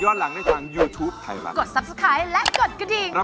ด่วนหัวใจคนสวยหาให้มาลงเสน่ห์